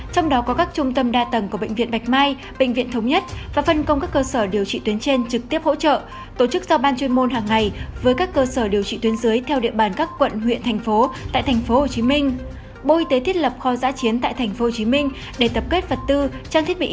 trong đó có các trung tâm đa tầng của bệnh viện bạch mai bệnh viện thống nhất và phân công các cơ sở điều trị tuyến trên trực tiếp hỗ trợ tổ chức do ban chuyên môn hàng ngày với các cơ sở điều trị tuyến dưới theo địa bàn các quận huyện thành phố tại tp hcm